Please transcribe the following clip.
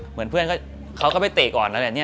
เหมือนเพื่อนเขาก็ไปเตะก่อน